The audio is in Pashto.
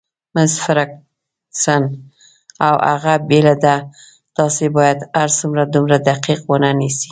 مس فرګوسن: اوه، هغه بېله ده، تاسي باید هرڅه دومره دقیق ونه نیسئ.